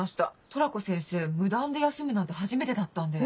トラコ先生無断で休むなんて初めてだったんで。